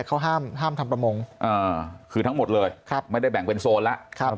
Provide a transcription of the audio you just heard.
เขาห้ามทำประมงคือทั้งหมดเลยไม่ได้แบ่งเป็นโซนแล้ว